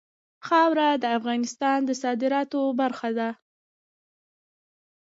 خاوره د افغانستان د صادراتو برخه ده.